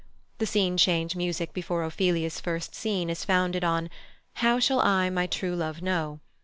The scene change music before Ophelia's first scene is founded on "How shall I my true love know?"